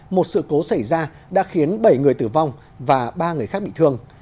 một sự cố xảy ra đã khiến bảy người tử vong và ba người khác bị thương